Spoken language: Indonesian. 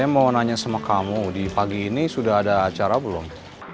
saya mau nanya sama kamu di pagi ini sudah ada acara belum